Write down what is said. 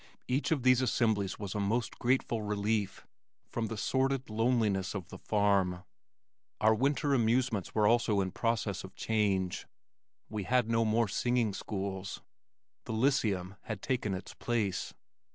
Each of these assemblies was a most grateful relief from the sordid loneliness of the farm. Our winter amusements were also in process of change. We held no more singing schools the "Lyceum" had taken its place.